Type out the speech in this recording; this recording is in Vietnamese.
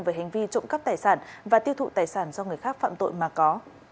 về hành vi trộm cắp tài sản và tiêu thụ tài sản do người khác phạm tội mà có